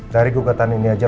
dari gugatan ini aja